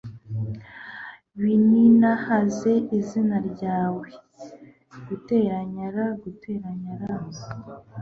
bininahaze izina ryawe, +r, +r